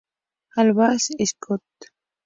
Albans School.